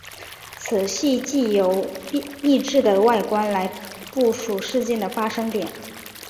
此系藉由异质的外观来部署事件的发生点。